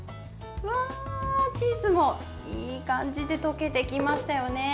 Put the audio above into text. チーズもいい感じで溶けてきましたよね。